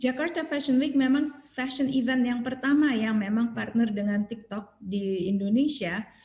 jakarta fashion week memang fashion event yang pertama yang memang partner dengan tiktok di indonesia